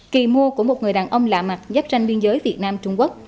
kỳ mua của một người đàn ông lạ mặt giáp ranh biên giới việt nam trung quốc